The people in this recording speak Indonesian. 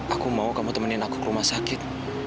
aku mau kamu temenin aku ke rumah sakit